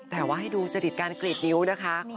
แต่ว่าให้ดูจริตการกรีดนิ้วนะคะ